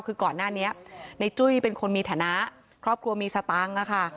คือก่อนหน้านี้ในจุ้ยเป็นคนมีฐานะครอบครัวมีสตังค์ค่ะ